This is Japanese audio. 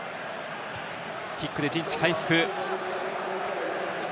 キックで陣地回復。